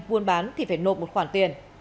buôn bán thì phải nộp một khoản tiền